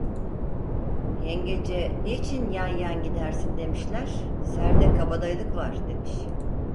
Yengece "niçin yan yan gidersin?" demişler; "serde kabadayılık var" demiş.